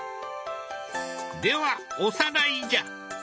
ではおさらいじゃ！